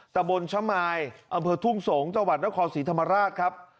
ตะบนชะมายอำเภอทุ่งสงศ์จังหวัดนครศรีธรรมราชครับ